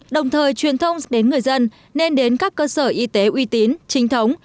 đồng thời truyền thông đến người dân nên đến các cơ sở y tế uy tín trinh thống